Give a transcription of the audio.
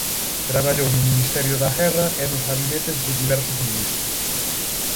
Traballou no ministerio da Guerra e nos gabinetes de diversos ministros.